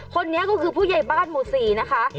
คนนี้ก็คือผู้ใหญ่บ้านหมู่๔นะคะ